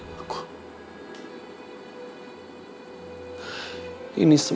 apakah khusus untuk jika aku mulai beragih ya